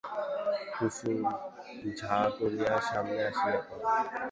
কুসুম ঝা করিয়া সামনে আসিয়া পড়ে।